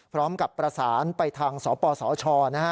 พร้อมกับประสานไปทางสปสชนะฮะ